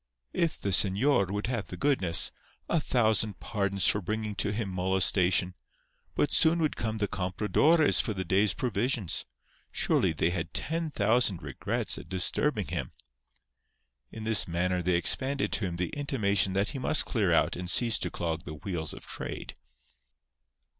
If the señor would have the goodness—a thousand pardons for bringing to him molestation—but soon would come the compradores for the day's provisions—surely they had ten thousand regrets at disturbing him! In this manner they expanded to him the intimation that he must clear out and cease to clog the wheels of trade.